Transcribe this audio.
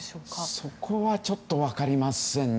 そこはちょっと分かりませんね。